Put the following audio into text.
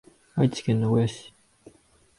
愛知県名古屋市